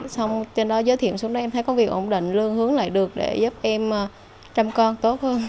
xong trên đó giới thiệu xuống đây em thấy có việc ổn định lương hướng lại được để giúp em trăm con tốt hơn